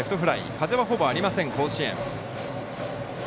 風は、ほぼありません、甲子園。